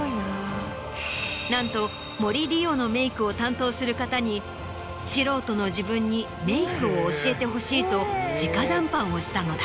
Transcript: なんと森理世のメイクを担当する方に「素人の自分にメイクを教えてほしい」と直談判をしたのだ。